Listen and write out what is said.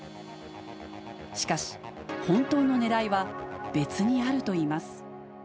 しかし、本当のねらいは別にあるといいます。